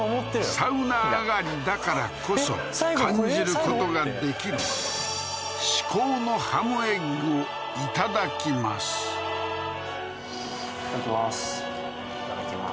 サウナ上がりだからこそ感じることができる至高のハムエッグをいただきますいただきます